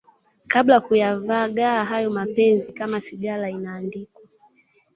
kabla ya kuyavagaa hayo mapenzi Kama sigara inaandikwa